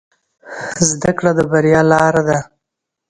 زده کړه د بریا لاره ده